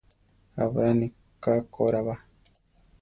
Abrani ká ko ra ba.